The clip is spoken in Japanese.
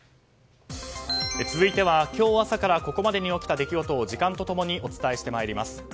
続いては今日朝からここまでに起きた出来事を時間と共にお伝えしてまいります。